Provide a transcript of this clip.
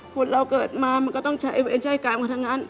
คนเราเกิดมามันก็ต้องใช้เวรใช้กรรมกันทั้งนั้น